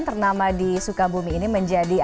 ternama di sukabumi ini menjadi